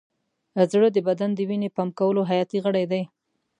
زړه د بدن د وینې پمپ کولو حیاتي غړی دی.